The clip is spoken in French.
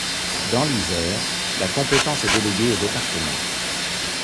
Dans l'Isère, la compétence est déléguée au département.